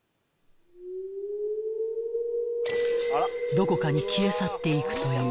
［どこかに消え去っていくという］